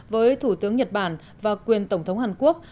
với thủ tướng nhật bản và quyền tổng thống hàn quốc